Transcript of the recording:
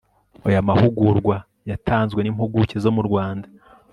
aya mahugurwa yatanzwe n impuguke zomurwanda